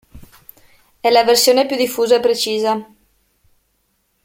È la versione più diffusa e precisa.